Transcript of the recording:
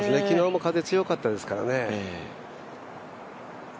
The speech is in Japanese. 昨日も風、強かったですからね。